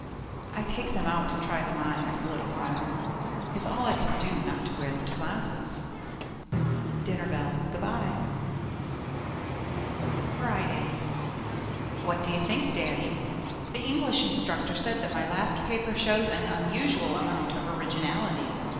I take them out and try them on every little while. It's all I can do not to wear them to classes. (Dinner bell. Goodbye.) Friday What do you think, Daddy? The English instructor said that my last paper shows an unusual amount of originality.